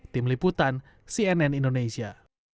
tim liputan cnn indonesia